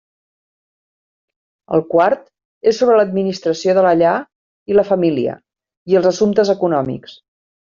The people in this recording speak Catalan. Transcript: El quart és sobre l'administració de la llar i la família, i els assumptes econòmics.